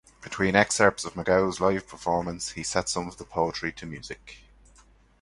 Between excerpts of McGough's live performance, he set some of the poetry to music.